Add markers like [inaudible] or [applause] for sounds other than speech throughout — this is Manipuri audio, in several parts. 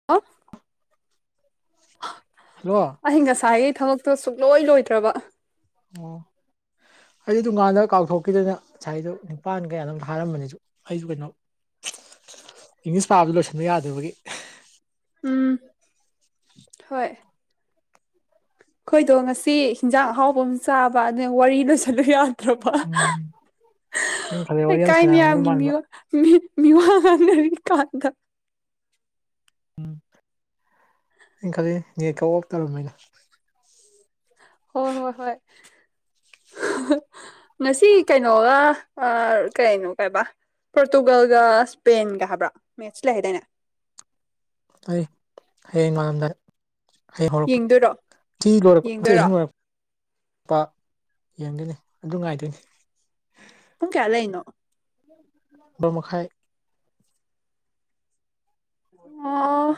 [unintelligible] ꯍꯜꯂꫭ ꯑꯩ ꯉꯁꯥꯏꯒꯤ ꯊꯕꯛꯇꯣ ꯁꯨꯡꯛꯂꯣꯏ ꯂꯣꯏꯗ꯭ꯔꯕ ꯑꯣ ꯑꯩꯗꯤ ꯗꯨꯀꯥꯟꯗ ꯀꯥꯎꯊꯣꯛꯈꯤꯗꯅ ꯉꯁꯥꯏꯗꯣ ꯅꯤꯄꯥꯟ ꯀꯌꯥꯅꫭꯝ ꯈꯥꯔꯝꯕꯅꯤꯁꯨ ꯑꯩꯁꯨ ꯀꯩꯅꯣ ꯏꯪꯂꯤꯁ ꯄꯥꯕꯗꯨ ꯂꯣꯏꯁꯤꯟꯕ ꯌꯥꯗꯕꯒꯤ ꯎꯝ ꯍꯣꯏ ꯑꯩꯈꯣꯏꯗꯣ ꯉꯁꯤ ꯍꯤꯟꯖꯥꯡ ꯑꯍꯥꯎꯕ ꯑꯃ ꯆꯥꯕ ꯑꯗꯨ ꯋꯥꯔꯤ ꯂꯣꯏꯁꯤꯜꯂꯨ ꯌꯥ ꯗ꯭ꯔꯕ ꯎꯝ ꯑꯩꯅ ꯈꯜꯂꯦ ꯋꯥꯔꯤ ꯌꯥꯝ ꯂꯩꯀꯥꯏ ꯁꯥꯟꯅꯔꯝꯒꯗꯧ ꯃꯌꯥꯝꯒꯤ ꯃꯥꯟꯕ ꯃꯤꯋꯥ ꯃꯤ ꯃꯤꯋꯥ ꯉꯥꯡꯅꯔꯤ ꯀꯥꯟꯗ ꯎꯝ ꯑꯩ ꯈꯜꯂꯤ ꯅꯦꯠꯀ ꯑꯣꯐ ꯇꯧꯔꯝꯃꯦꯅ ꯍꯣꯏ ꯍꯣꯏ ꯍꯣꯏ [unintelligible] ꯉꯁꯤ ꯀꯩꯅꯣꯒ ꯀꯩꯅꯣ ꯀꯥꯏꯕꯥ ꯄꯣꯔꯇꯨꯒꯜꯒ ꯁ꯭ꯄꯦꯟꯒ ꯍꯥꯏꯕ꯭ꯔꯥ ꯃꯦꯠꯁ ꯂꯩ ꯍꯥꯏꯗꯥꯏꯅꯦ ꯌꯦꯡꯗꯣꯏꯔꯣ ꯌꯦꯡꯗꯣꯏꯔꯣ [unintelligible] ꯂꯨꯄꯥ ꯌꯦꯡꯒꯣꯏꯅꯤ ꯑꯗꯨ ꯉꯥꯏꯗꯣꯏꯅꯤ ꯄꯨꯡ ꯀꯌꯥ ꯂꯩꯅꯣ [inaudible] ꯕꯥꯔꫭ ꯃꯈꯥꯏ ꯑꯣ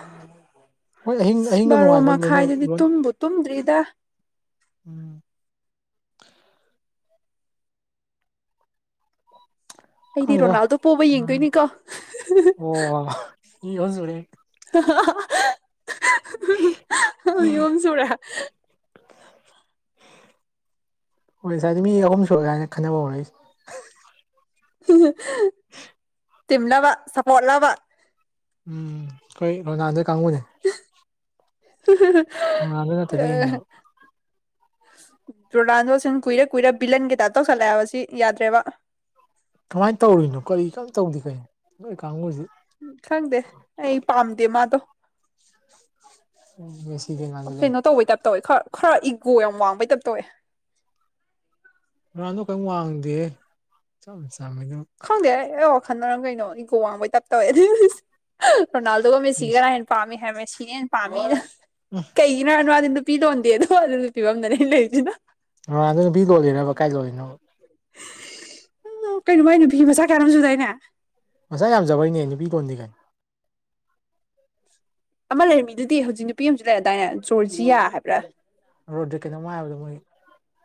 ꯍꯣꯏ ꯑꯍꯤꯡ ꯑꯍꯤꯡꯒ ꯕꯥꯔꯣ ꯅꯣꯡꯉꯥꯟꯕ ꯂꯣꯏꯅ ꯃꯈꯥꯏꯗꯨꯗꯤ ꯂꯣꯏ ꯇꯨꯝꯕꯨ ꯇꯨꯝꯗ꯭ꯔꯤꯗ ꯎꯝ ꯑꯩꯗꯤ ꯈꯪꯗꯦꯗ ꯔꯣꯅꯥꯜꯗꯣ ꯄꯣꯕ ꯌꯦꯡꯗꯣꯏꯅꯤꯀꯣ [unintelligible] [unintelligible] ꯌꯨꯝ ꯁꯨꯨꯔꯦ ꯍꯣꯏ ꯁꯥꯏ ꯃꯤ ꯑꯍꯨꯝ ꯁꯨꯔꯝꯃꯦꯍꯥꯏꯅ ꯈꯟꯅꯕ ꯍꯧꯔꯛꯏꯁꯦ ꯇꯤꯝꯂꯕ ꯁꯄꯣꯠꯂꯕ ꯎꯝ ꯑꯩꯈꯣꯏ ꯔꯣꯅꯥꯟꯗꯣꯏ ꯀꯥꯡꯕꯨꯅꯦ ꯔꯣꯅꯥꯜꯗꯣ ꯅꯠꯇ꯭ꯔꯗꯤ [unintelligible] ꯌꯦꯡꯗꯕ [inaudible] ꯔꯣꯅꯥꯟꯗꯣꯁꯤꯡ ꯀꯨꯏꯔ ꯀꯨꯏꯔ ꯕꯤꯂꯟ ꯒꯤ ꯇꯥꯏꯞ ꯇꯧꯁꯜꯂꯛꯑꯦꯕꯁꯤ ꯌꯥꯗ꯭ꯔꯦꯕ ꯀꯃꯥꯏꯅ ꯇꯧꯔꯤꯅꯣ ꯀꯔꯤ ꯀꯝ ꯇꯧꯗꯦ ꯀꯩꯅꯣ ꯅꯣꯏ ꯀꯥꯡꯕꯨꯁꯤ ꯎ ꯈꯪꯗꯦ ꯑꯩ ꯄꯥꯝꯗꯦ ꯃꯥꯗꯣ ꯃꯦꯁꯤꯗ ꯉꯥꯡꯗ ꯂꯩ ꯀꯩꯅꯣ ꯇꯧꯕꯩ ꯇꯥꯏꯞ ꯇꯧꯋꯦ ꯈꯔ ꯈꯔ ꯏꯒꯣ ꯌꯥꯝ ꯋꯥꯡꯕꯩ ꯇꯥꯏꯞ ꯇꯧꯋꯦ ꯔꯣꯅꯥꯟꯗꯣ ꯀꯔꯤꯝ ꯋꯥꯡꯗꯦꯍꯦ ꯏꯆꯝ ꯆꯝꯃꯤꯗ ꯈꯪꯗꯦ ꯑꯩ ꯋꯥꯈꯜꯅꯔ ꯀꯩꯅꯣ ꯏꯒꯣ ꯋꯥꯡꯕꯩ ꯇꯥꯏꯞ ꯇꯧꯋꯦ ꯔꯣꯅꯥꯜꯗꯣꯒ ꯃꯦꯁꯤꯒ ꯃꯦꯁꯤ ꯀꯥꯅꯍꯦꯟ ꯄꯝꯃꯤ ꯍꯥꯏꯕ ꯃꯦꯁꯤꯅ ꯍꯦꯟꯅ ꯄꯥꯝꯃꯤ ꯎꯝ ꯀꯩꯒꯤꯅꯣ ꯍꯥꯏꯔ ꯃꯗꯤ ꯅꯨꯄꯤ ꯂꯣꯟꯗꯦꯗꯣ ꯑꯗꯨ ꯐꯤꯕꯝꯗꯅꯦ ꯂꯩꯖꯤꯅ ꯔꯣꯅꯥꯟꯗꯣ ꯅꯨꯄꯤ ꯂꯣꯜꯂꯤꯔꯕ ꯀꯥꯏꯂꯣꯜꯂꯤꯅꯣ ꯎ ꯀꯩꯅꯣ ꯃꯥꯏ ꯅꯨꯄꯤ ꯃꯆꯥ ꯀꯌꯥꯅꯣꯝ ꯁꯨꯗꯥꯏꯅꯦ ꯃꯆꯥ ꯌꯥꯝꯖꯕꯩꯅꯦ ꯅꯨꯄꯤ ꯂꯣꯟꯗꯦ ꯀꯥꯏ ꯑꯃ ꯂꯩꯔꯝꯃꯤꯗꯨꯗꯤ ꯍꯧꯖꯤꯛ ꯅꯨꯄꯤ ꯑꯃꯁꯨ ꯂꯩꯔꯗꯥꯏꯅꯦ ꯖꯣꯔꯖꯤꯌꯥ ꯍꯥꯏꯕ꯭ꯔꯥ [unintelligible]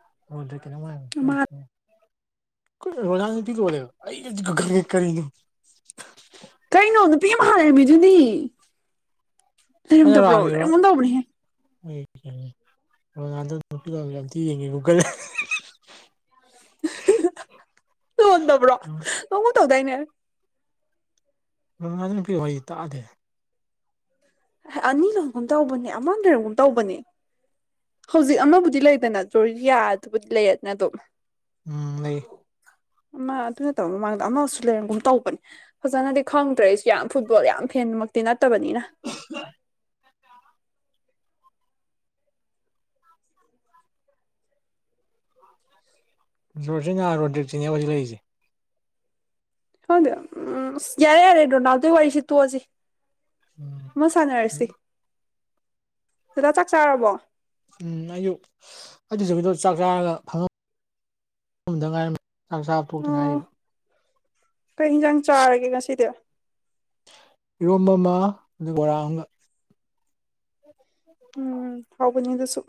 ꯃꯥ [inaudible] ꯀꯩꯅꯣ ꯔꯣꯅꯥꯟ ꯅꯨꯄꯤ ꯂꯣꯜꯂꯦꯕ ꯑꯩꯗꯤ ꯍꯧꯖꯤꯛ ꯈꯛ ꯈꯪꯉꯦ ꯀꯔꯤꯅꯣ ꯀꯩꯅꯣ ꯅꯨꯄꯤ ꯑꯃ ꯍꯟ ꯂꯩꯔꯝꯃꯤꯗꯨꯗꯤ ꯑꯩꯅ ꯂꯩꯔꯝꯗꯕ꯭ꯔꯣ ꯔꯥꯡꯉꯤꯔꯣ ꯂꯩꯔꯝꯒꯨꯝ ꯇꯧꯕꯅꯦꯍꯦ [unintelligible] [inaudible] ꯂꯣꯟꯗꯕ꯭ꯔꯣ ꯂꯣꯟꯒꯨꯝ ꯇꯧꯗꯥꯏꯅꯦ ꯔꯣꯅꯥꯟꯗꯣꯏ ꯅꯨꯄꯤ ꯋꯥꯔꯤ ꯇꯥꯗꯦꯍꯦ ꯑꯅꯤ ꯂꯣꯒꯨꯝ ꯇꯧꯕꯅꯦ ꯑꯃ ꯂꯩꯔꯝꯒꯨꯝ ꯇꯧꯕꯅꯦ ꯍꯧꯖꯤꯛ ꯑꯃꯕꯨꯗꯤ ꯂꯩꯗꯅ ꯖꯣꯖꯤꯌꯥꯗꯨꯕꯨꯗꯤ ꯂꯩꯌꯦꯗꯅ ꯑꯗꯨꯝ ꯎꯝ ꯂꯩ ꯃꯥ ꯑꯗꯨ ꯅꯠꯇꯕ ꯃꯃꯥꯡꯗ ꯑꯃꯁꯨ ꯂꯩꯔꯝꯒꯨꯝ ꯇꯧꯕꯅꯦ ꯐꯖꯅꯗꯤ ꯈꯪꯗ꯭ꯔꯦ ꯑꯩꯁꯨ ꯌꯥꯝ ꯐꯨꯠꯕꯣꯜ ꯌꯥꯝ ꯐꯦꯟꯃꯛꯇꯤ ꯅꯠꯇꯕꯅꯤꯅ ꯎ [unintelligible] ꯖꯣꯔꯖꯤꯅ ꯔꯣꯗꯤꯛꯁꯤꯅꯦ ꯍꯧꯖꯤꯛ ꯂꯩꯔꯤꯁꯦ ꯈꯪꯗꯦꯗ ꯎꯝ ꯌꯥꯔꯦ ꯌꯥꯔꯦ ꯔꯣꯅꯥꯜꯗꯣꯒꯤ ꯋꯥꯔꯤꯁꯤ ꯇꯣꯛꯑꯁꯤ ꯎꯝ ꯑꯃ ꯁꯥꯟꯅꯔꯁꯤ ꯗꯗꯥ ꯆꯥꯛ ꯆꯥꯔꯕꯣ ꯎꯝ ꯑꯌꯨꯛ ꯑꯩꯁꯨꯒꯤꯗꯣ ꯆꯥꯛ ꯆꯥꯔꯒ ꯐꯪꯃꯝ ꯗꯉꯔꯤ ꯆꯥꯛ ꯆꯥꯕ ꯇꯣꯛꯇ ꯑꯣ ꯉꯥꯏꯔꯤꯕ ꯀꯩ ꯏꯟꯖꯥꯡ ꯆꯥꯔꯒꯦ ꯉꯁꯤꯗꯤ ꯏꯔꯣꯝꯕ ꯃ ꯕꯣꯔꯥ ꯑꯝꯒ ꯎꯝ ꯍꯥꯎꯕꯅꯤ ꯑꯗꯨꯁꯨ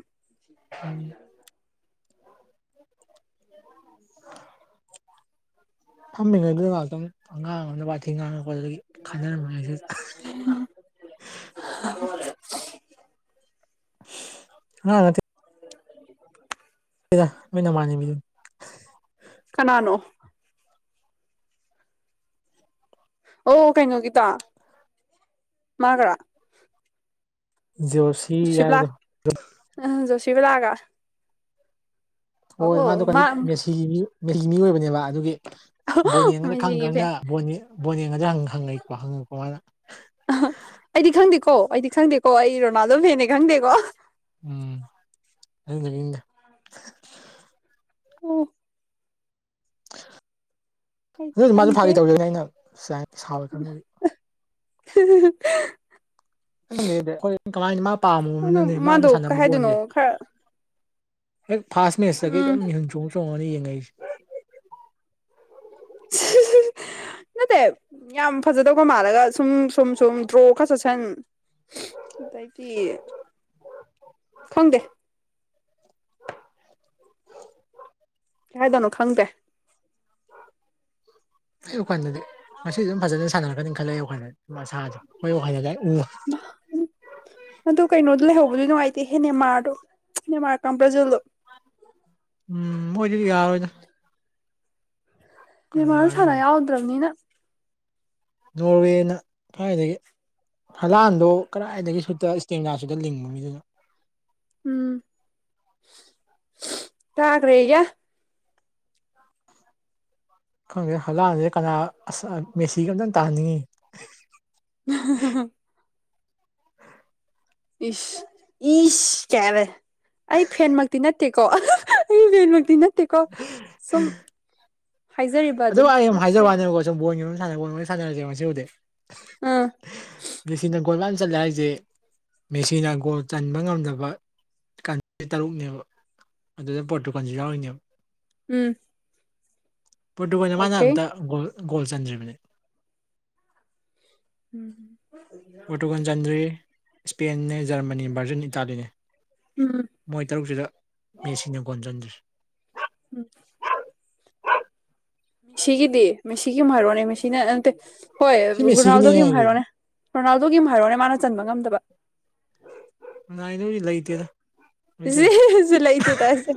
ꯐꯝꯃꯤꯅꯦ ꯉꯥꯛꯇꯪ ꯑꯉꯥꯡ ꯑꯃꯗ ꯋꯥꯊꯤ ꯉꯥꯡꯉꯛꯄ ꯑꯗꯨꯒꯤ ꯈꯠꯅꯔꯝꯕꯅꯦ ꯁꯨ [unintelligible] ꯑꯉꯥ ꯅꯠꯇ ꯅꯣꯏ ꯅꯃꯥꯅꯕꯤꯗꯣ ꯀꯅꯥꯅꯣ ꯑꯣ ꯀꯩꯅꯣꯒꯤꯗꯣ ꯃꯥꯒꯔꯣ ꯖꯣꯁꯤ ꯍꯥꯏꯕꯗꯣ ꯑ ꯖꯣꯁꯤꯕꯂꯥꯒ ꯍꯣꯏ ꯑꯣ ꯃꯥꯗꯣ ꯀꯩꯅ ꯃꯥ ꯃꯦꯁꯤꯒꯤ ꯃꯦꯁꯤꯒꯤ ꯃꯤ ꯑꯣꯏꯕꯅꯦꯕ ꯑꯗꯨꯒꯤ ꯕꯣꯟ ꯌꯦꯡꯉꯗꯤ ꯈꯪ ꯃꯦꯁꯤꯒꯤ ꯐꯦꯟ ꯈꯪꯅ ꯕꯣꯟ ꯌꯦꯡꯒꯗꯔ ꯍꯪ ꯍꯪꯉꯩꯕ ꯍꯪꯉꯛꯄ ꯃꯥꯅ ꯑ ꯑꯩꯗꯤ ꯈꯪꯗꯦꯀꯣ ꯑꯩꯗꯤ ꯈꯪꯗꯦꯀꯣ ꯑꯩ ꯔꯣꯅꯥꯜꯗꯣ ꯐꯦꯅꯦ ꯈꯪꯗꯦꯀꯣ ꯎꯝ ꯏ ꯑꯣꯐ ꯑꯩꯗꯤ ꯑꯗꯨ ꯃꯥꯁꯨ ꯈꯪꯗꯦ ꯐꯥꯒꯤ ꯇꯧꯖꯩꯅꯦ ꯑꯩꯅ ꯁꯥꯎꯏ ꯈꯪꯕꯗꯤ ꯍꯤ ꯍꯤ ꯍꯤ ꯪꯅꯦ ꯑꯩꯈꯣꯏ ꯀꯃꯥꯏꯅ ꯃꯥ ꯑꯗꯣ ꯄꯥꯝꯃꯕꯅꯤꯅꯅꯦ ꯃꯥꯅ ꯃꯥꯗꯣ ꯀꯩ ꯁꯥꯟꯅꯕ ꯍꯥꯏꯗꯣꯏꯅꯣ ꯕꯣꯜꯁꯦ ꯈꯔ ꯍꯦꯛ ꯐꯥꯁ ꯃꯦꯁꯇ ꯎꯝ ꯑꯗꯨꯝ ꯃꯤꯍꯨꯟ ꯆꯣꯡꯉ ꯆꯣꯡꯉꯒ ꯌꯦꯡꯉꯛꯏꯁꯦ [unintelligible] ꯅꯠꯇꯦ ꯌꯥꯝ ꯐꯖꯗꯧꯕ ꯃꯥꯜꯂꯒ ꯁꯨꯝ ꯁꯨꯝ ꯁꯨꯝ ꯗ꯭ꯔꯣ ꯈꯔ ꯆꯠꯁꯟ ꯑꯗꯩꯗꯤ ꯈꯪꯗꯦ ꯀꯩꯥ ꯍꯥꯏꯗꯣꯏꯅꯣ ꯈꯪꯗ꯭ꯔꯦ ꯑꯩ ꯋꯥꯈꯜꯗꯗꯤ ꯉꯁꯤ ꯑꯗꯨꯝ ꯐꯖꯅ ꯁꯥꯟꯅꯔꯛꯀꯅꯤ ꯈꯜꯂꯦ ꯑꯩ ꯋꯥꯈꯜꯗꯗꯤ ꯑꯁꯥꯥꯁꯦ ꯈꯣꯏ ꯋꯥꯈꯜꯗ ꯑꯩ ꯎꯉ [unintelligible] ꯑꯗꯨ ꯀꯩꯅꯣꯗꯣ ꯂꯩꯍꯧꯕꯗꯤ ꯅꯨꯡꯉꯥꯏꯇꯦꯍꯦ ꯅꯦꯃꯥꯔꯗꯣ ꯅꯦꯃꯥꯔ ꯀꯥꯡ ꯕ꯭ꯔꯖꯜꯗꯣ ꯎꯝ ꯃꯣꯏꯗꯤ ꯌꯥꯔꯣꯏꯗ ꯅꯦꯃꯥꯔꯁꯨ ꯀꯅꯥꯅ ꯁꯥꯟꯅ ꯑꯃꯨꯛ ꯌꯥꯎꯗ꯭ꯔꯕꯅꯤꯅ ꯅꯣꯔꯋꯦꯅ ꯀꯥꯏꯗꯒꯤ ꯍꯂꯥꯟꯗꯣ ꯀꯗꯥꯏꯗꯒꯤ ꯁꯨꯠꯇ ꯏꯁꯇꯦꯃꯤꯅꯥꯁꯨ ꯂꯤꯡꯕ ꯃꯤꯗꯨꯅ ꯎꯝ ꯀꯥꯒꯔꯦꯌꯦ ꯈꯪꯗꯦ ꯍꯂꯥꯟꯁꯦ ꯀꯅꯥ ꯑꯁ ꯃꯦꯁꯤꯒ ꯑꯝꯇꯪ ꯇꯥꯍꯟꯅꯤꯡꯉꯤ [unintelligible] ꯏꯁ ꯏꯁ ꯀꯦꯕ ꯑꯩ ꯐꯦꯟꯃꯛꯇꯤ ꯅꯠꯇꯦꯀꯣ ꯑꯩ ꯐꯦꯟꯃꯛꯇꯤ ꯅꯠꯇꯦꯀꯣ ꯁꯨꯝ ꯍꯥꯏꯖꯔꯤꯕ ꯑꯗꯣ ꯑꯩ ꯑꯗꯨꯅꯤ ꯍꯥꯏꯖꯕ ꯋꯥꯅꯦꯀꯣ ꯁꯨꯝ ꯕꯣꯜꯒꯤ ꯃꯔꯝ ꯁꯥꯟꯅꯔꯁꯦ ꯉꯁꯤ ꯍꯧꯖꯤꯛ ꯑꯥ ꯃꯦꯁꯤꯅ ꯒꯣꯜ ꯃꯌꯥꯝ ꯆꯜꯂꯦ ꯍꯥꯏꯁꯦ ꯃꯦꯁꯤꯅ ꯒꯣꯜ ꯆꯟꯕ ꯉꯝꯗꯕ ꯇꯔꯨꯛꯅꯦꯕ ꯑꯗꯨꯗ ꯄꯣꯠꯇꯨꯒꯜꯁꯨ ꯌꯥꯎꯔꯤꯅꯦꯕ ꯎꯝ ꯄꯣꯔꯇꯨꯒꯜꯗ ꯃꯥꯅ ꯑꯣꯀꯦ ꯑꯝꯇ ꯎꯝ ꯒꯣꯜ ꯒꯣꯜ ꯆꯟꯗ꯭ꯔꯤꯕꯅꯦ ꯎꯝ ꯄꯣꯔꯇꯨꯒꯥꯜ ꯆꯟꯗ꯭ꯔꯤ ꯁ꯭ꯄꯦꯟꯅꯦ ꯖꯔꯃꯅꯤ ꯕ꯭ꯔꯖꯤꯟ ꯏꯇꯥꯂꯤꯅꯦ ꯎꯝ ꯃꯣꯏ ꯇꯔꯨꯛꯁꯤꯗ ꯃꯦꯁꯤꯅ ꯒꯣꯟ ꯆꯟꯗ꯭ꯔꯤꯁꯦ ꯎꯝ ꯃꯦꯁꯤꯒꯤꯗꯤ ꯃꯦꯁꯤꯒꯤ ꯑꯃꯨꯛ ꯍꯥꯏꯔꯣꯅꯦ ꯃꯦꯁꯤꯅꯦ ꯅꯠꯇꯦ ꯍꯣꯏ ꯁꯤ ꯃꯦꯁꯤꯒꯤꯅꯦ ꯔꯣꯅꯥꯜꯗꯣꯒꯤ ꯑꯃ ꯍꯥꯏꯁꯦ ꯍꯥꯏꯔꯣꯅꯦ ꯔꯣꯅꯥꯜꯗꯣꯒꯤ ꯑꯃꯨꯛ ꯍꯥꯏꯔꯣꯅꯦ ꯃꯥꯅ ꯆꯟꯕ ꯉꯝꯗꯕ ꯂꯩꯇꯦꯗ ꯂꯣꯏ ꯆꯜꯂꯦ ꯏꯁ ꯂꯩꯇꯦ ꯇꯁ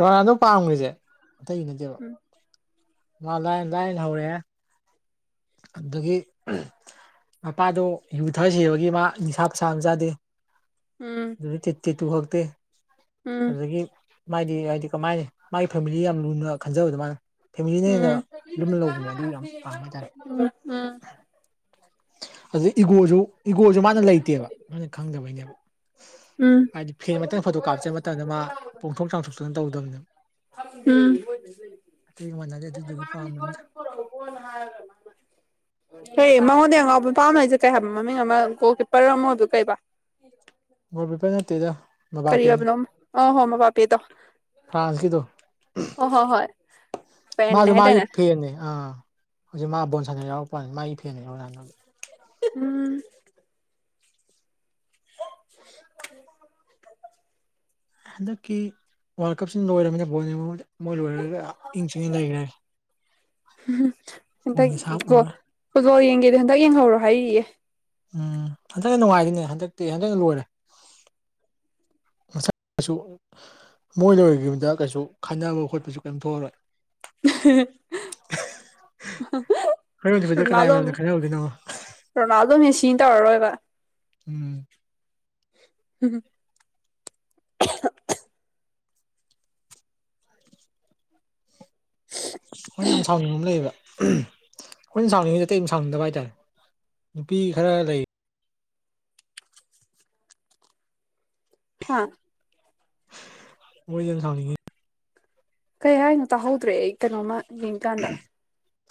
ꯔꯣꯅꯥꯜꯗꯣ ꯄꯥꯝꯈ꯭ꯔꯤꯁꯦ ꯑꯇꯩꯒꯤ ꯅꯠꯇꯦꯕ ꯃꯥ ꯂꯥꯏꯟ ꯂꯥꯏꯔꯅ ꯍꯧꯔꯦ ꯑꯗꯨꯗꯒꯤ ꯃꯄꯥꯗꯣ ꯌꯨ ꯊꯛꯑ ꯁꯤꯕꯒꯤ ꯃꯥ ꯅꯤꯁꯥ ꯄꯁꯥ ꯑꯃ ꯆꯥꯗꯦ ꯎꯝ ꯑꯗꯩ ꯇꯦꯇꯨꯇꯨ ꯍꯛꯇꯦ ꯎꯝ ꯑꯗꯨꯗꯒꯤ ꯃꯥꯗꯤ ꯍꯥꯏꯗꯤ ꯀꯃꯥꯏꯅ ꯃꯥꯒꯤ ꯐꯦꯃꯤꯂꯤ ꯌꯥꯝ ꯂꯨꯅ ꯈꯟꯖꯕꯗ ꯃꯥꯅ ꯐꯦꯃꯤꯂꯤꯅ ꯍꯦꯟꯅ ꯎꯝ ꯂꯨꯝꯅ ꯂꯧꯕꯅꯦ ꯑꯗꯨ ꯌꯥꯝ ꯄꯥꯝꯕ ꯍꯥꯏꯇꯥꯔꯦ ꯎꯝ ꯑꯗꯨꯗ ꯏꯒꯣꯁꯨ ꯏꯒꯣꯁꯨ ꯃꯥꯅ ꯂꯩꯇꯦꯕ ꯃꯥꯅ ꯈꯪꯗꯕꯩꯅꯦꯕ ꯎꯝ ꯍꯥꯏꯗꯤ ꯐꯦꯟ ꯃꯛꯇ ꯐꯣꯇꯣ ꯀꯥꯞꯁꯦ ꯍꯥꯢꯕ ꯃꯇꯝꯗ ꯃꯥ ꯄꯣꯡꯊꯣꯛ ꯆꯥꯝꯊꯣꯛꯇꯨꯅ ꯇꯧꯗꯕꯅꯤꯅ ꯎꯝ ꯑꯇꯩꯒ ꯃꯥꯟꯅꯗꯦ ꯑꯗꯨꯗꯨꯒꯤ [unintelligible] ꯍꯦ ꯃꯉꯣꯟꯗ ꯌꯥꯝ ꯉꯥꯎꯕ ꯅꯨꯄꯥꯃ ꯂꯩꯔꯤꯁꯦ ꯀꯩ ꯍꯥꯏꯕ ꯃꯃꯤꯡ ꯑꯃ ꯒꯣꯜ ꯀꯤꯞꯄꯔ ꯑꯃ ꯑꯣꯏꯕ ꯀꯩꯕ ꯃꯧ ꯈꯛꯇ ꯅꯠꯇꯦꯗ ꯀꯔꯤ ꯃꯕꯥꯄꯦꯅꯤ ꯑꯣꯏꯕꯅꯣ ꯑ ꯍꯣ ꯃꯕꯥꯞꯄꯦꯗꯣ ꯐ꯭ꯔꯥꯟꯁꯀꯤꯗꯣ ꯑ ꯍ ꯍꯣꯏ ꯄꯦꯟꯅꯦ ꯃꯥꯁꯨ ꯃꯥꯒꯤ ꯍꯥꯏꯇꯥꯅꯦ ꯐꯦꯟꯅꯦ ꯑꯥ ꯍꯧꯖꯤꯛ ꯃꯥ ꯕꯣꯟ ꯁꯥꯟꯅ ꯌꯥꯎꯔꯛꯄ ꯋꯥꯅꯤ ꯃꯥꯒꯤ ꯐꯦꯟꯅꯦ ꯔꯣꯅꯟꯗꯣ ꯎꯝ ꯍꯟꯗꯛꯀꯤ ꯋꯥꯔꯜ ꯀꯞꯁꯤ ꯂꯣꯏꯔꯕꯅꯤꯅ ꯕꯣꯜ ꯌꯦꯡꯕꯕꯨꯗꯤ ꯃꯣꯏ ꯂꯣꯏꯔꯒ ꯏꯪ ꯆꯤꯛꯅ ꯂꯩꯒꯔꯦ ꯄꯣꯟ ꯍꯟꯗꯛ ꯁꯥꯞ ꯒꯣ ꯐꯨꯠꯕꯣꯜ ꯌꯦꯡꯒꯦꯗꯤ ꯍꯟꯗꯛ ꯌꯦꯡꯍꯧꯔꯣ ꯍꯥꯏꯔꯤꯌꯦ ꯎꯝ ꯍꯟꯗꯛꯅ ꯅꯨꯡꯉꯥꯏꯗꯤꯅꯦ ꯍꯟꯗꯛꯇꯤ ꯍꯟꯗꯛꯅ ꯂꯣꯏꯔꯦ ꯃꯁꯥ ꯁꯨ ꯃꯣꯏ ꯂꯣꯏꯒꯤꯕꯗ ꯀꯩꯁꯨ ꯈꯥꯠꯅꯕ ꯈꯣꯠꯄꯁꯨ ꯀꯩꯝ ꯊꯣꯛꯑꯔꯣꯏ ꯍꯣꯔꯦꯟ [unintelligible] ꯅꯨꯃꯤꯠꯇ ꯀꯅꯥꯏ ꯔꯣꯅꯜꯗꯣ ꯃꯔꯝꯗ ꯈꯟꯅꯔꯨꯗꯣꯏꯅꯣ ꯔꯣꯅꯥꯜꯗꯣ ꯃꯦꯁꯤꯅ ꯇꯧꯔꯔꯣꯏꯕ ꯎꯝ [unintelligible] ꯑꯩꯈꯣꯏꯅ ꯌꯥꯝ ꯁꯥꯎꯅꯤꯡꯕ ꯑꯃ ꯂꯩꯌꯦꯕ ꯑꯩꯈꯣꯏꯅ ꯁꯥꯎꯅꯤꯡꯉꯤꯁꯦ ꯑꯇꯩ ꯁꯥꯎꯅꯤꯡꯗꯕ ꯍꯥꯏꯇꯥꯔꯦ ꯅꯨꯄꯤ ꯈꯔ ꯂꯩ ꯍꯥꯥ [unintelligible] ꯀꯩ ꯍꯥꯏꯅꯣ ꯇꯥꯍꯧꯗ꯭ꯔꯦ ꯑꯩ ꯀꯩꯅꯣꯝꯃ ꯌꯦꯡꯀꯥꯟꯗ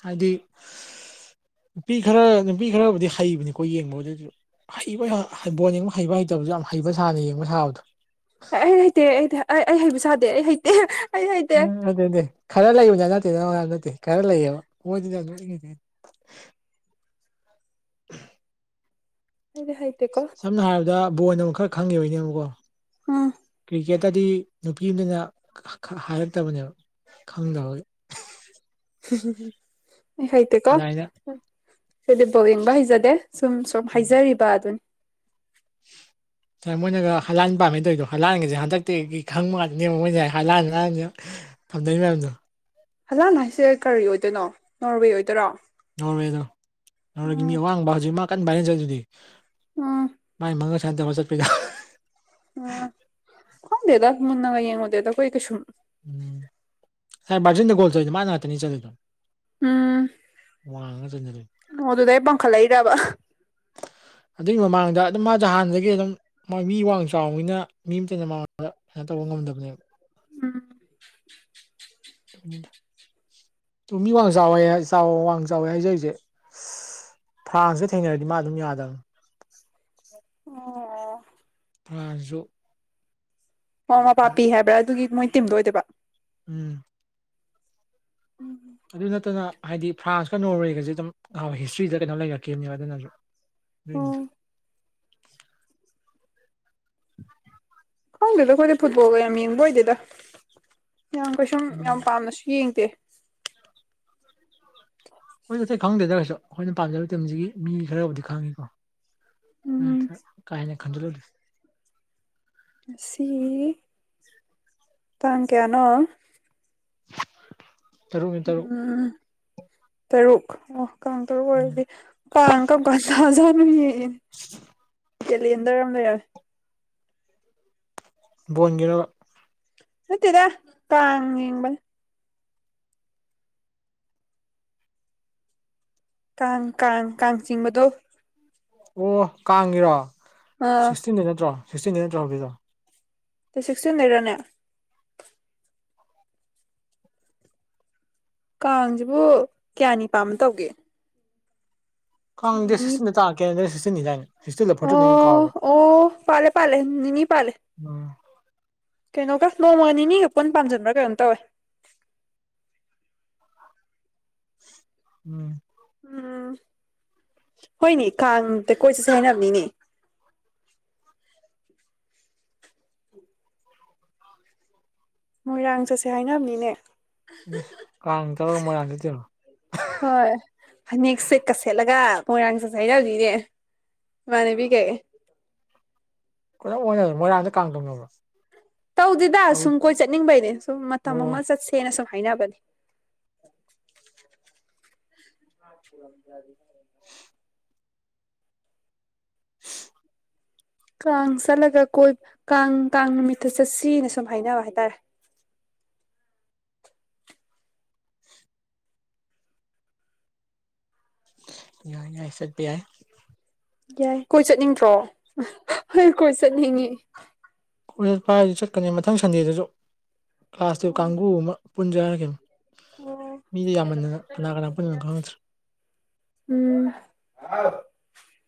ꯍꯥꯏꯗꯤ ꯅꯨꯄꯤ ꯈꯔ ꯅꯨꯄꯤ ꯈꯔꯕꯨꯗꯤ ꯍꯩꯕꯅꯤꯀꯣ ꯌꯦꯡꯕꯗꯁꯨ ꯍꯩꯕ ꯕꯣꯜ ꯌꯦꯡꯕ ꯍꯩꯕ ꯍꯩꯇꯕꯁꯨ ꯌꯥꯝ ꯍꯩꯕ ꯁꯥꯅ ꯌꯦꯡꯕ ꯁꯥꯕꯗꯣ ꯑꯦ ꯑꯩ ꯍꯩꯇꯦ ꯑꯩ ꯑꯩ ꯍꯩꯕ ꯁꯥꯗꯦ ꯑꯩ ꯍꯩꯇꯦ ꯑꯩ ꯍꯩꯇꯦ [unintelligible] ꯅꯠꯇꯦ ꯅ ꯅꯠꯇꯦ ꯈꯔ ꯂꯩꯌꯦꯕ ꯃꯣꯏꯉꯁꯦ [unintelligible] ꯍꯥꯏꯗꯤ ꯍꯥꯏ ꯁꯝꯅ ꯍꯥꯏꯔꯕꯗ ꯕꯣꯟ ꯑꯃꯨꯛ ꯈꯔ ꯈꯪꯉꯦꯕꯩꯅꯦꯕꯀꯣ ꯎꯝ ꯀ꯭ꯔꯤꯀꯦꯠ ꯇꯗꯤ ꯅꯨꯄꯤꯑꯝꯇꯥꯅ ꯍꯥꯏꯔꯛꯇꯕꯅꯦꯕ ꯈꯪꯗꯕꯒꯤ [unintelligible] ꯑꯩ ꯍꯩꯇꯦꯀꯣ ꯑꯗꯨꯃꯥꯏꯅ ꯑꯩꯗꯤ ꯕꯣꯜ ꯌꯦꯡꯕ ꯍꯩꯖꯗꯦ ꯁꯨꯝ ꯁꯨꯝ ꯍꯥꯏꯖꯔꯤꯕ ꯑꯗꯨꯅꯤ ꯁꯥꯏ ꯃꯣꯏꯅꯒ ꯍꯂꯥꯟ ꯄꯥꯝꯃꯦ ꯇꯧꯔꯤꯗꯣ ꯍꯂꯥꯟꯒꯁꯦ ꯍꯟꯗꯛꯇꯤꯒꯤ ꯈꯪꯕ ꯉꯥꯛꯇꯥꯅꯦꯕ ꯃꯣꯏꯁꯦ ꯍꯂꯥꯟꯁ ꯊꯝꯗꯩ ꯃꯌꯥꯝꯝꯗꯣ ꯍꯂꯥꯟ ꯍꯥꯏꯁꯦ ꯀꯔꯤ ꯑꯣꯏꯗꯣꯏꯅꯣ ꯅꯣꯔꯋꯦ ꯑꯣꯏꯗꯣꯏꯔꯣ ꯅꯣꯔꯋꯦꯗꯣ ꯅꯣꯔꯦꯒꯤ ꯃꯤ ꯎꯝ ꯑꯋꯥꯡꯕ ꯍꯧꯖꯤꯛ ꯃꯥ ꯀꯟ ꯕꯥꯏꯔꯦꯜ ꯆꯠꯂꯤꯗꯨꯗꯤ ꯎꯝ ꯥꯏ ꯃꯉ ꯁꯥꯟ ꯁꯨꯃꯥꯏꯟ ꯇꯧꯔ ꯆꯠꯄꯤꯗꯣ ꯈꯪꯗꯦꯗ ꯃꯨꯟꯅꯒ ꯌꯦꯡꯉꯨꯗꯦꯗ ꯈꯣꯏ ꯀꯩꯁꯨꯨꯝ ꯎꯝ ꯁꯥꯥꯏ ꯕꯥꯔꯖꯤꯟꯗ ꯒꯣꯜ ꯆꯜꯂꯤꯗꯣ ꯃꯥ ꯉꯥꯛꯇꯅꯤ ꯆꯠꯂꯣꯏꯗ ꯋꯥꯉ ꯆꯖ ꯂꯩ ꯑꯗꯨꯗ ꯄꯡꯈꯠꯂꯛꯏꯔ꯭ꯕ ꯑꯗꯨꯒꯤ ꯃꯃꯥꯡꯗ ꯑꯗꯨꯝ ꯃꯥꯁꯦ ꯍꯥꯟꯅꯗꯒꯤ ꯑꯗꯨꯝ ꯃꯥ ꯃꯤ ꯋꯥꯡ ꯆꯥꯎꯕꯅꯤꯅ ꯃꯤ ꯑꯃꯇꯅ ꯃꯃꯗ ꯀꯩꯅꯣ ꯇꯧꯕ ꯉꯝꯗꯕꯅꯦꯕ ꯎꯝ ꯇꯃꯤ ꯋꯥ ꯆꯦ ꯆꯥꯎ ꯋꯥ ꯆꯥꯎꯋꯦ ꯍꯥꯏꯖꯁꯦ ꯐꯥꯡꯁ ꯊꯦꯡꯅꯔꯗꯤ ꯃꯥ ꯑꯗꯨꯝ ꯌꯥꯗꯕꯅꯤ ꯑꯣ ꯅꯥꯍꯟꯁꯨ ꯑꯣ ꯃꯄꯄꯤ ꯍꯥꯏꯕ꯭ꯔꯥ ꯑꯗꯨꯒꯤ ꯃꯣꯏ ꯇꯤꯝꯗꯣ ꯑꯣꯏꯗꯣꯏꯕ ꯎꯝ ꯑꯗꯨ ꯅꯠꯇꯅ ꯍꯥꯏꯗꯤ ꯐ꯭ꯔꯥꯟꯁꯀ ꯅꯣꯔꯋꯦꯒꯁꯦ ꯑꯗꯨꯝ ꯍꯤꯁꯇ꯭ꯔꯤꯗ ꯀꯩꯅꯣ ꯂꯩꯔꯛꯈꯤꯕꯅꯦꯕ ꯑꯗꯨꯅꯁꯨ [unintelligible] ꯎꯝ ꯈꯪꯗꯦꯗ ꯑꯩꯈꯣꯏꯗꯤ ꯐꯨꯠꯕꯣꯜꯒ ꯌꯥꯝ ꯌꯦꯡꯕ ꯑꯣꯏꯗꯦꯗ ꯌꯥꯝ ꯀꯩꯁꯨꯝ ꯎꯝ ꯌꯥꯝ ꯄꯥꯝꯅꯁꯨ ꯌꯦꯡꯗꯦ ꯑꯩꯈꯣꯏꯅꯇꯩ ꯈꯪꯗꯦꯗ꯭ꯔꯒꯁꯨ ꯑꯩꯈꯣꯏꯅ ꯄꯥꯝꯖꯕ ꯃꯇꯝꯝꯁꯤꯒꯤ ꯃꯤ ꯈꯔꯕꯨꯗꯤ ꯈꯪꯉꯤꯀꯣ ꯎꯝ ꯑ ꯀꯥꯏꯅꯦ ꯈꯟꯖ ꯂ ꯉꯁꯤ ꯇꯥꯡ ꯀꯌꯥꯅꯣ ꯇꯔꯨꯛꯅꯤ ꯇꯔꯨꯛ ꯎꯝ ꯇꯔꯨꯛ ꯑꯣ ꯀ ꯇꯔꯨꯛ ꯎꯝ ꯑꯣꯏꯔꯗꯤ ꯀꯥꯡ ꯀꯀ ꯇꯥꯖꯥꯅꯨꯏ ꯀꯦꯂꯦꯟꯗꯔ ꯑꯃ ꯂꯩꯔꯦ ꯕꯣꯟꯒꯤꯅꯣ ꯁꯠꯇꯗ ꯀꯥꯡ ꯌꯦꯡꯕꯅꯤ ꯀꯥꯡ ꯀꯥꯡ ꯀꯥꯡ ꯆꯤꯡꯕꯗꯣ ꯑꯣ ꯀꯥꯡꯉꯔꯣ ꯑꯥ ꯁꯤꯛꯁꯇꯤꯟꯗ ꯅꯠꯇ꯭ꯔꯣ ꯁꯤꯛꯁꯇꯤꯟꯗꯩ ꯅꯠꯇ꯭ꯔꯣ ꯍꯧꯖꯤꯔꯣ ꯁꯤꯛꯁꯇꯤꯟ ꯍꯥꯏ꯭ꯔꯔꯅꯦ ꯀꯥꯡꯁꯤꯕꯨ ꯀꯌꯥꯅꯤ ꯄꯥꯅ ꯇꯧꯒꯦ ꯀꯪꯗꯦ ꯅꯤꯅꯤ ꯁꯤꯁꯇꯤꯟꯗ ꯇꯥꯛꯛꯀꯦꯗ ꯁꯤꯁꯇꯤꯟꯅꯤꯗꯏꯅꯦ ꯑꯣ ꯑꯣ ꯄꯥꯜꯂ‌ꯦ ꯄꯥꯜꯂꯦ ꯅꯤ ꯅꯤ ꯄꯥꯜꯂ‌ꯦ꯫ ꯎꯝ꯫ ꯀꯩꯅꯣꯒ ꯅꯣꯡꯃ ꯅꯤꯅꯤꯒ ꯄꯨꯟ ꯄꯥꯟꯖꯤꯟꯕꯥ꯭ꯔꯥ ꯀꯩꯅꯣꯝ ꯇꯧꯋꯦ꯫ ꯎꯝ꯫ ꯎꯝ ꯍꯣꯏꯅꯦ ꯀꯥꯡꯇ ꯀꯣꯏꯆꯠꯁꯤ ꯍꯥꯏꯅꯕꯅꯤꯅꯦ꯫ ꯃꯣꯏꯔꯥꯡ ꯆꯠꯁꯦ ꯍꯥꯏꯅꯕꯅꯤꯅꯦ꯫ ꯀꯥꯡ ꯇꯧꯔꯒ ꯃꯣꯏꯔꯥꯡ ꯆꯠꯇꫭꯏꯔꯣ꯫ ꯍꯣꯏ ꯐꯅꯦꯛ ꯁꯦꯠꯀ ꯁꯦꯠꯂꯒ ꯃꯣꯏꯔꯥꯡ ꯆꯠꯁ‌ꯦ ꯍꯥꯏꯅꯕꯅꯤꯅꯦ꯫ ꯏꯃꯥꯅꯕꯤꯒꯩ꯫ [unintelligible] ꯃꯣꯏꯔꯥꯡꯗ ꯀꯥꯡ ꯇꫭꯡꯅꯕ‌꯭ꯔꫭ꯫ ꯇꯧꯗꯦꯗ ꯁꯨꯝ ꯀꯣꯏ ꯆꯠꯅꯤꯡꯕꯩꯅꯦ ꯁꯨꯝ ꯃꯇꯝ ꯑꯃ ꯑꯣ ꯆꯠꯁꯦꯅ ꯁꯨꯝ ꯍꯥꯏꯅꯕꯅꯦ꯫ ꯫ ꯀꯥꯡ ꯆꯠꯂꯒ ꯀꯣꯏꯕ ꯀꯥꯡ ꯀꯥꯡ ꯅꯨꯃꯤꯠꯇ ꯆꯠꯁꯤꯅ ꯁꯨꯝ ꯍꯥꯏꯅꯕ ꯍꯥꯏꯇꯥꯔꯦ꯫ ꯌꯥꯏ ꯌꯥꯏ ꯆꯠꯄꯌꯥꯏ꯫ ꯌꯥꯏ ꯀꯣꯏ ꯆꯠꯅꯤꯡꯇ꯭ꯔꯣ ꯑꯩ ꯀꯣꯏ ꯆꯠꯅꯤꯡꯉꯤ꯫ ꯀ ꯄꯥꯏꯁꯨ ꯆꯠꯀꯅꯤ ꯃꯊꯪ ꯁꯟꯗꯦꯗꯁꯨ꯫ ꯀ꯭ꯂꯥꯁ ꯇꯖꯌ‌ꯦꯞ ꯀꯥꯡꯒꯨ ꯑꯃ ꯄꯨꯟꯖ ꯍꯥꯏꯔꯛꯈꯤꯝ꯫ ꯑꯣ ꯃꯤꯗꯨ ꯌꯥꯝꯃꯟꯗꯅ ꯀꯅꯥ ꯀꯅꯥ ꯄꯨꯟꯗꫭꯏꯟ ꯈꯪꯡꯗ꯭ꯔꯦ꯫ ꯎꯝ꯫